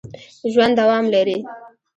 ژوند دوام لري